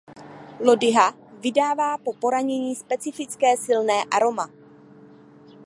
Lodyha vydává po poranění specifické silné aroma.